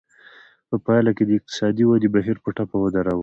په پایله کې د اقتصادي ودې بهیر په ټپه ودراوه.